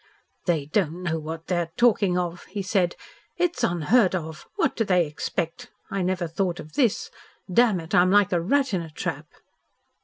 "They don't know what they are talking of," he said. "It is unheard of. What do they expect? I never thought of this. Damn it! I'm like a rat in a trap."